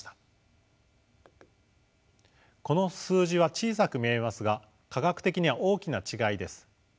この数字は小さく見えますが科学的には大きな違いです。